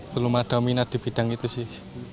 belum ada minat di bidang itu sih